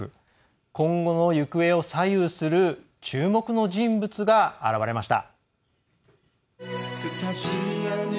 今後の行方を左右する注目の人物が現れました。